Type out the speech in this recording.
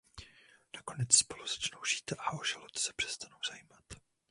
Nakonec spolu začnou žít a o žalud se přestanou zajímat.